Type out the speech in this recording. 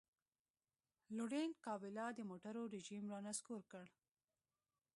لورینټ کابیلا د موبوټو رژیم را نسکور کړ.